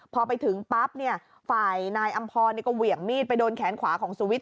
พอไปถึงปั๊บฝ่ายนายอำพรก็เหวี่ยงมีดไปโดนแขนขวาของสุวิทย